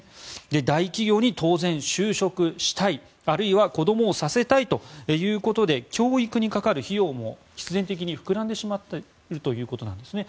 大企業に当然、就職したいあるいは子供をさせたいということで教育にかかる費用も必然的に膨らんでしまうということなんですね。